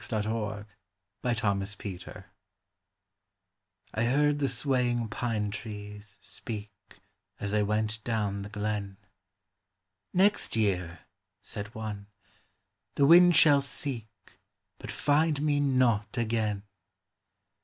WHAT THE PINE TREES SAID I heard the swaying pine trees speak, As I went down the glen: "Next year," said one, "the wind shall seek, But find me not again!"